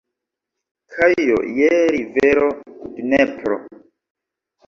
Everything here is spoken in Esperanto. Kajo je rivero Dnepro.